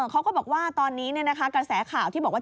เขาก็บอกว่าตอนนี้กระแสข่าวที่บอกว่า